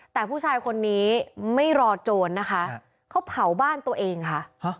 แต่ผู้ชายคนนี้ไม่รอโจรนะคะเขาเผาบ้านตัวเองค่ะ